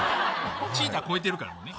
チーター超えてるからね。